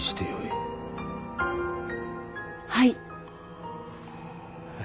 はい。